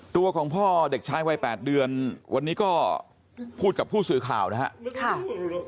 ตัวของพ่อเด็กชายวัย๘เดือนวันนี้ก็พูดกับผู้สื่อข่าวนะครับ